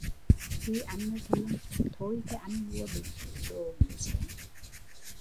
Khi anh thương, thôi thê anh mua đủ thứ đồ biếu xén